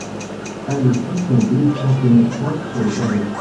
Allait-il tomber sans connaissance sur le pavé?